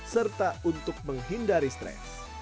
serta untuk menghindari stres